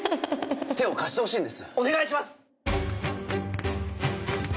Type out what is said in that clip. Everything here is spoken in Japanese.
手を貸してほしいんですお願いします！